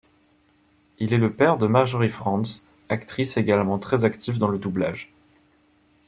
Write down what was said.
Il est le père de Marjorie Frantz, actrice également très active dans le doublage.